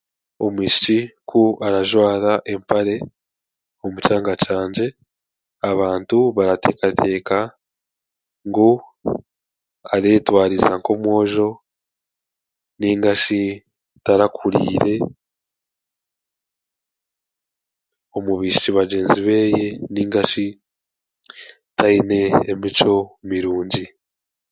Omwishiki ku arajwara empare omu kyanga kyangye abantu barateekateeka ngu areetwariza nk'omwojo nainga shi tarakuriire omu baishiki bagyenzi beeye nainga shi tayine emico mirungi